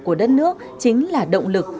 của đất nước chính là động lực